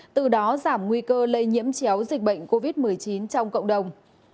từ đó giảm nguy cơ lây nhiễm chéo dịch bệnh covid một mươi chín trong cộng đồng